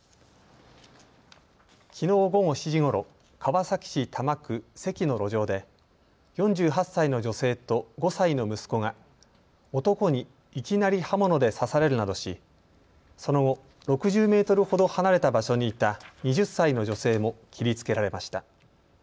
きのう午後７時ごろ川崎市多摩区堰の路上で４８歳の女性と５歳の息子が男にいきなり刃物で刺されるなどしその後、６０メートルほど離れた場所にいた２０歳の女性も切りつけられました。